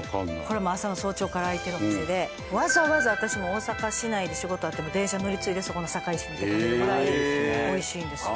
これも朝の早朝から開いてるお店でわざわざ私もう大阪市内で仕事あっても電車乗り継いでそこの堺市に出かけるぐらい美味しいんですよ。